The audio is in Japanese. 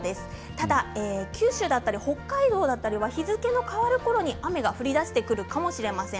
ただ、九州や北海道は日付の変わるころに雨が降り出してくるかもしれません。